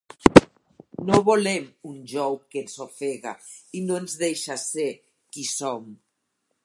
No volem un jou que ens ofega i no ens deixa ser qui som.